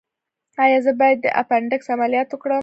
ایا زه باید د اپنډکس عملیات وکړم؟